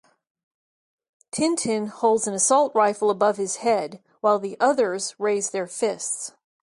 Tintin holds an assault rifle above his head, while the others raise their fists.